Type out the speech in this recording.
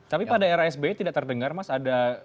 tapi pada era sbi tidak terdengar mas ada